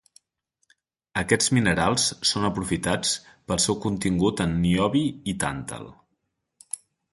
Aquests minerals són aprofitats pel seu contingut en niobi i tàntal.